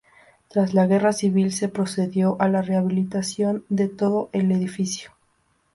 Tras la Guerra Civil se procedió a la rehabilitación de todo el edificio.